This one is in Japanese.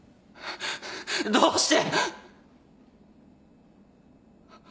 どうして！？